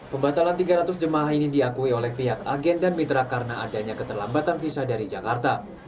pembatalan tiga ratus jemaah ini diakui oleh pihak agen dan mitra karena adanya keterlambatan visa dari jakarta